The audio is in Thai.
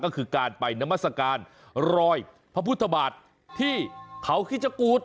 ก็คือการไปนามัศกาลรอยพระพุทธบาทที่เขาคิดชะกูธ